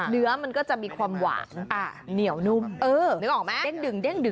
เนื้อมันก็จะมีความหวานเหนียวนุ่มดึง